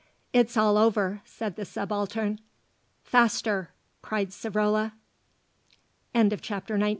"It's all over," said the Subaltern. "Faster!" cried Savrola. CHAPTER XX.